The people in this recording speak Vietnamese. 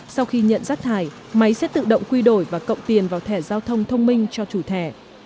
sau khi nhận rác thải máy sẽ tự động quy đổi và cộng tiền vào thẻ giao thông thông minh cho chủ thẻ